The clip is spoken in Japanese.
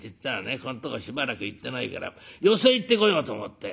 ここんとこしばらく行ってないから寄席行ってこようと思って」。